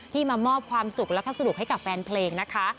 มามอบความสุขแล้วก็สนุกให้กับแฟนเพลงนะคะ